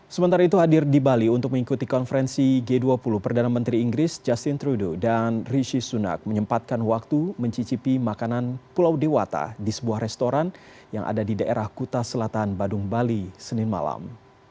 sementara itu hadir di bali untuk mengikuti konferensi g dua puluh perdana menteri inggris justin trudeau dan rishi sunak menyempatkan waktu mencicipi makanan pulau dewata di sebuah restoran yang ada di daerah kuta selatan badung bali senin malam